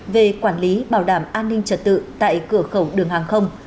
về quản lý bảo đảm an ninh trật tự tại cửa khẩu đường hàng không